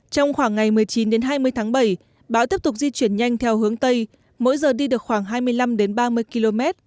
trong khoảng ngày một mươi chín hai mươi tháng bảy bão tiếp tục di chuyển nhanh theo hướng tây mỗi giờ đi được khoảng hai mươi năm ba mươi km